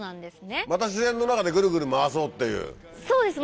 また自然の中でぐるぐる回そうっていう。